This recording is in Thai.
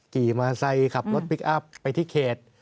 กี่มาสไซค์ขับรถปลุกไอพ์ไปที่เขต